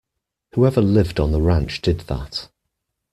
Whoever lived on the ranch did that.